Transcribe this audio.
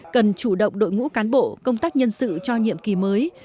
cần chủ động đội ngũ cán bộ công tác nhân sự cho nhiệm kỳ mới